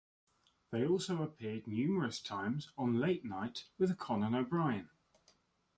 They also appeared numerous times on "Late Night with Conan O'Brien".